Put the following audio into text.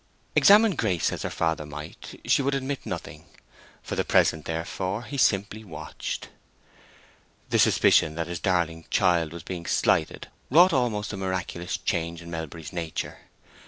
Examine Grace as her father might, she would admit nothing. For the present, therefore, he simply watched. The suspicion that his darling child was being slighted wrought almost a miraculous change in Melbury's nature.